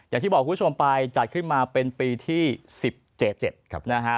อย่างที่บอกคุณผู้ชมไปจัดขึ้นมาเป็นปีที่๑๗๗ครับนะฮะ